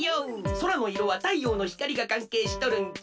空のいろは太陽の光がかんけいしとるんじゃ。